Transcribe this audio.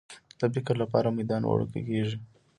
د فکر لپاره میدان وړوکی کېږي.